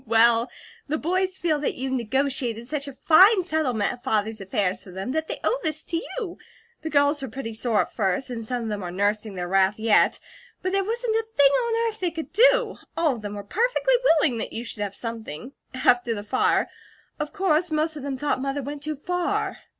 "Well, the boys feel that you negotiated such a fine settlement of Father's affairs for them, that they owe this to you. The girls were pretty sore at first, and some of them are nursing their wrath yet; but there wasn't a thing on earth they could do. All of them were perfectly willing that you should have something after the fire of course, most of them thought Mother went too far."